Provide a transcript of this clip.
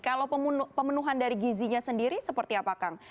kalau pemenuhan dari gizinya sendiri seperti apa kang